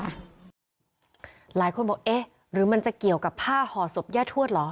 หลายคนบอกเอ๊ะหรือมันจะเกี่ยวกับผ้าห่อศพย่าทวดเหรอ